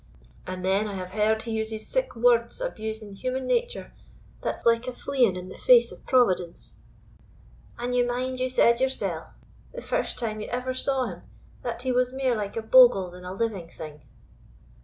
And then I have heard he uses sic words abusing human nature, that's like a fleeing in the face of Providence; and ye mind ye said yoursell, the first time ye ever saw him, that he was mair like a bogle than a living thing."